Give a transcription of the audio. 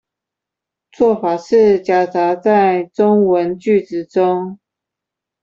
做法是夾雜在中文句子中